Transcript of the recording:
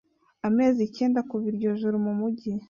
amezi icyenda kuva iryo joro mumujyi